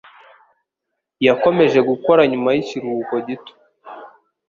yakomeje gukora nyuma yikiruhuko gito.